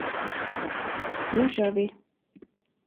Nu kör vi.